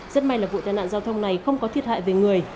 rất may là vụ tai nạn giao thông này không có thiệt hại về người